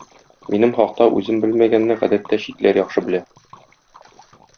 Минем хакта үзем белмәгәнне гадәттә читләр яхшы белә.